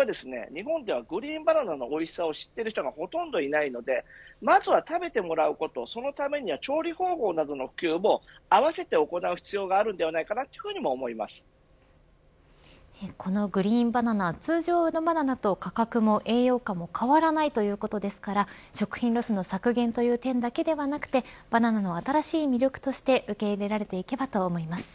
ただし問題は、日本ではグリーンバナナのおいしさを知っている人がほとんどいないのでまずは、食べてもらうことそのためには調理方法などの普及も合わせて行う必要がこのグリーンバナナ通常のバナナと価格も栄養価も変わらないということですから食品ロスの削減という点だけではなくてバナナの新しい魅力として受けられていけばと思います。